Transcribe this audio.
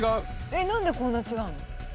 えっ何でこんな違うの？